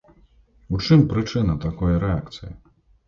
У чым прычына такой рэакцыі?